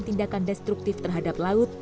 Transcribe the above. tindakan destruktif terhadap laut